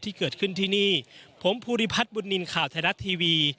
ที่เกิดขึ้นที่นี่ผมภูริพัฒน์บุญนินทร์ข่าวไทยรัฐทีวี